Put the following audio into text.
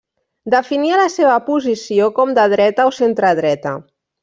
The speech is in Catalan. Definia la seva posició com de dreta o centredreta.